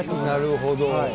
なるほど。